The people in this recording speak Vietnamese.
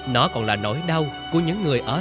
nó còn là nỗi đau của những người ở